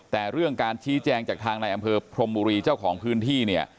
แต่เรื่องการชี้แจงจากทางในอำเภอพรมบุรีเจ้าของพื้นที่เนี่ย